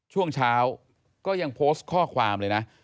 ช่วงเช้าก็ยังโพสต์ข้อความเลยนะ